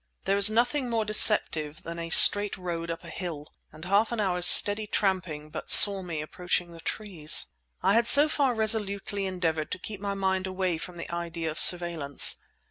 There is nothing more deceptive than a straight road up a hill; and half an hour's steady tramping but saw me approaching the trees. I had so far resolutely endeavoured to keep my mind away from the idea of surveillance.